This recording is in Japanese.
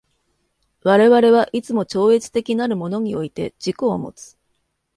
我々はいつも超越的なるものにおいて自己をもつ。